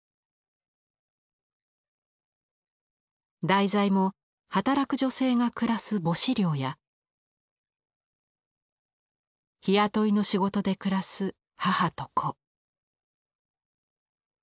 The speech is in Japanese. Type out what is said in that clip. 題材も働く女性が暮らす母子寮や日雇いの仕事で暮らす母と子。